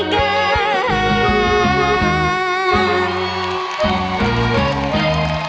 ขอเสียงหน่อย